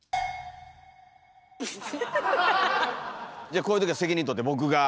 じゃこういう時は責任取って僕が。